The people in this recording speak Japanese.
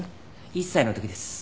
１歳の時です。